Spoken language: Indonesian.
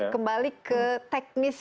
kembali ke teknis